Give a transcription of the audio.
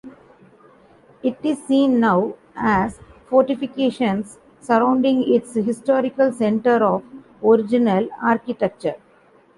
It is seen now as fortifications, surrounding its historical centre of original architecture.